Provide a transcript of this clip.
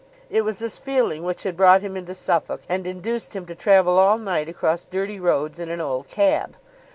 It was this feeling which had brought him into Suffolk, and induced him to travel all night, across dirty roads, in an old cab.